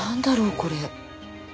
これ。